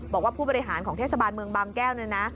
ผู้บริหารของเทศบาลเมืองบางแก้วเนี่ยนะ